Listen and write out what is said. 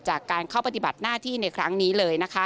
จากการเข้าปฏิบัติหน้าที่ในครั้งนี้เลยนะคะ